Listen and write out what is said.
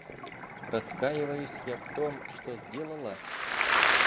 Раскаиваюсь я в том, что сделала?